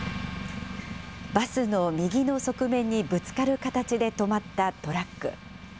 バスの右の側面にぶつかる形で止まったトラック。